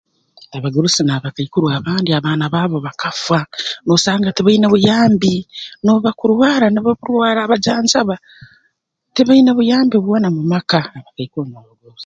Abagurusi n'abakaikuru abandi abaana baabo bakafa n'osanga tibaina buyambi n'obu bakurwara nibaburwa araabajanjaba tibaine buyambi bwona mu maka abakaikuru n'abagurusi